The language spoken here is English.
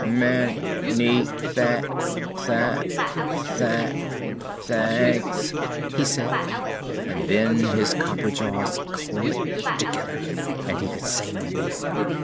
"Ma ny tha tha tha thanks!" he said; and then his copper jaws clicked together and he could say no more.